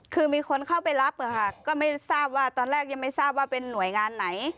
คือมีคนเข้าไปรับค่ะก็ไม่ทราบว่าตอนแรกยังไม่ทราบว่าเป็นหน่วยงานไหน